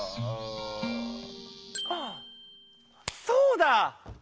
あっそうだ！